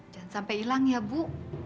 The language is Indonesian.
jangan sampai hilang ya bu